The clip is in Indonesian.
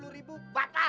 lima puluh ribu batal